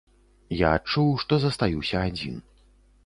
Я адчуў, што застаюся адзін.